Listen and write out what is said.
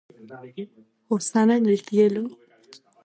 Hosanna en el cielo.